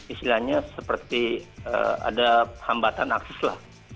istilahnya seperti ada hambatan akses lah